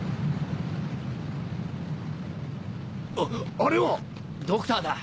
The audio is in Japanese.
あれは⁉ドクターだ。